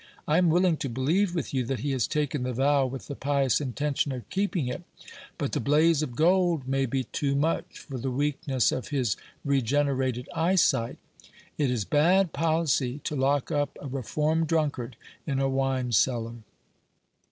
I am willing to believe with you, that he has taken the vow with the pious intention of keeping it ; but the blaze of gold may be too much for the weakness of his regenerated eye sight. It is bad policy to lock up a reformed drunkard in a wine cellar.